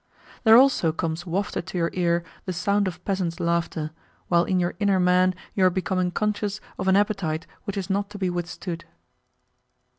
There also comes wafted to your ear the sound of peasants' laughter, while in your inner man you are becoming conscious of an appetite which is not to be withstood.